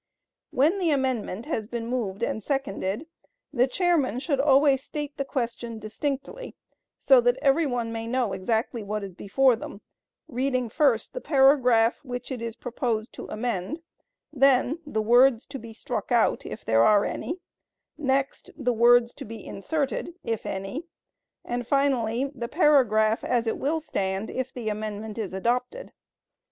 When the amendment has been moved and seconded, the chairman should always state the question distinctly, so that every one may know exactly what is before them, reading first the paragraph which it is proposed to amend; then the words to be struck out, if there are any; next, the words to be inserted, if any; and finally, the paragraph as it will stand if the amendment is adopted.